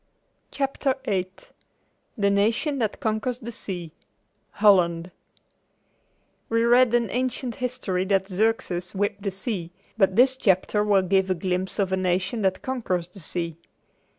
CHAPTER VIII THE NATION THAT CONQUERS THE SEA HOLLAND We read in ancient history that Xerxes whipped the sea, but this chapter will give a glimpse of a nation that conquers the sea.